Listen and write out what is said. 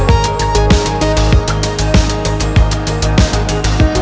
selengkapnya akan kami bahas dalam sapa nusantara